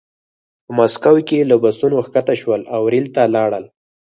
په مسکو کې له بسونو ښکته شول او ریل ته لاړل